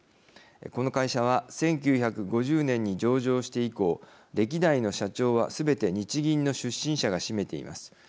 この会社は１９５０年に上場して以降歴代の社長はすべて日銀の出身者が占めています。